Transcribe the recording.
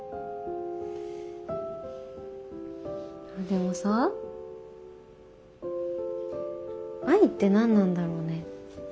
でもさ愛って何なんだろうね。